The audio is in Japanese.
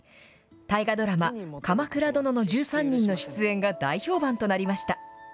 大河ドラマ、鎌倉殿の１３人の出演が大評判となりました。